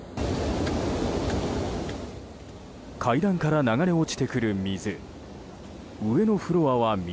階段から流れ落ちてくる水。